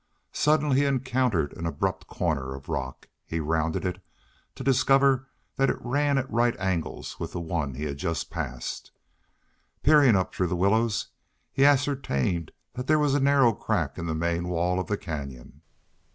Suddenly he encountered an abrupt corner of rock. He rounded it, to discover that it ran at right angles with the one he had just passed. Peering up through the willows, he ascertained that there was a narrow crack in the main wall of the canyon.